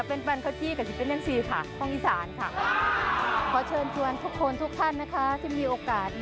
อิ่มท้องกันแล้วก็ไปเที่ยวกันต่อกับอีกหนึ่งมนตร์เสน่ห์ของชาวอีสานที่พลาดไม่ได้นั่นก็คือกิมทอมสันฟาร์ม